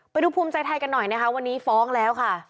ภูมิใจไทยกันหน่อยนะคะวันนี้ฟ้องแล้วค่ะ